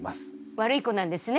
悪い子なんですね。